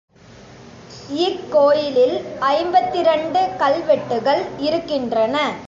இக்கோயிலில் ஐம்பத்திரண்டு கல்வெட்டுக்கள் இருக்கின்றன.